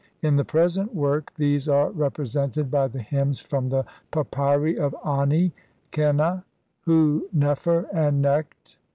In the present work these are repre sented, by the hymns from the papyri of Ani, Qenna, Hu nefer, and Nekht (see pp.